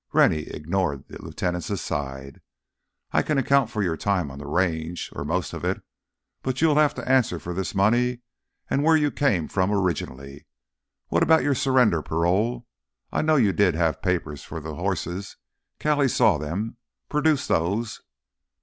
Rennie ignored the lieutenant's aside. "I can account for your time on the Range, or most of it. But you'll have to answer for this money and where you came from originally. What about your surrender parole? I know you did have papers for the horses—Callie saw them. Produce those...."